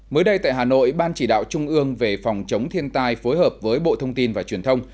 mới đây tại hà nội ban chỉ đạo trung ương về phòng chống thiên tai phối hợp với bộ thông tin và truyền thông